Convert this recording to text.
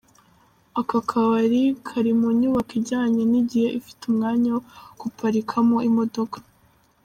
Aka kabari kari munyubako ijyanye n'igihe ifiteumwanya wo guparikamo imodoka.